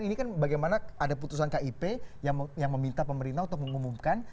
ini kan bagaimana ada putusan kip yang meminta pemerintah untuk mengumumkan